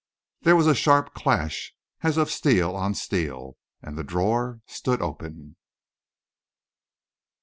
There was a sharp clash, as of steel on steel, and the drawer stood open.